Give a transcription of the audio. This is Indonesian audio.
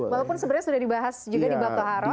walaupun sebenarnya sudah dibahas di bakto haro